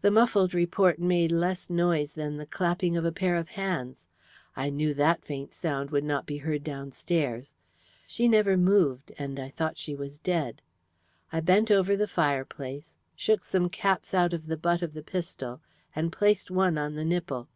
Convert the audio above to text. "The muffled report made less noise than the clapping of a pair of hands. I knew that faint sound would not be heard downstairs. She never moved, and I thought she was dead. I bent over the fireplace, shook some caps out of the butt of the pistol, and placed one on the nipple.